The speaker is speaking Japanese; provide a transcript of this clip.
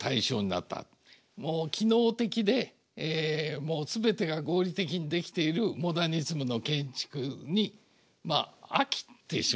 もう機能的で全てが合理的に出来ているモダニズムの建築にまあ飽きてしまって。